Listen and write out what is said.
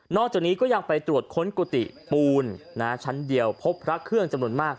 จากนี้ก็ยังไปตรวจค้นกุฏิปูนชั้นเดียวพบพระเครื่องจำนวนมาก